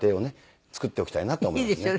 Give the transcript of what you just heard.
作っておきたいなと思いますね。